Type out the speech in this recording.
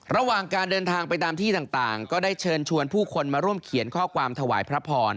ระหว่างการเดินทางไปตามที่ต่างก็ได้เชิญชวนผู้คนมาร่วมเขียนข้อความถวายพระพร